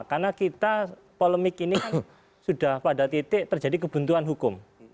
karena kita polemik ini kan sudah pada titik terjadi kebuntuan hukum